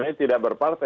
yang saya rasa